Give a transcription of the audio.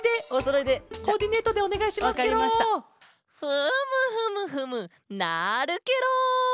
フムフムフムなるケロ！